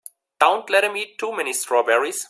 Don't let him eat too many strawberries.